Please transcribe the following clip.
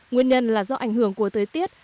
nguyên nhân là do ảnh hưởng của thời tiết